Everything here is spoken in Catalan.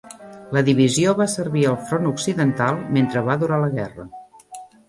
La divisió va servir al front occidental mentre va durar la guerra.